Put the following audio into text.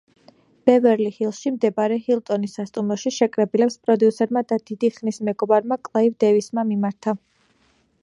ბევერლი ჰილსში მდებარე ჰილტონის სასტუმროში შეკრებილებს პროდიუსერმა და დიდი ხნის მეგობარმა კლაივ დევისმა მიმართა.